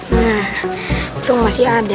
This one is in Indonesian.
nah itu masih ada